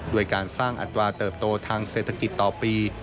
ด้วยการสร้างอัตราเติบโตทางเศรษฐกิจต่อปี